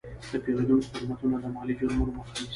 د پیرودونکو خدمتونه د مالي جرمونو مخه نیسي.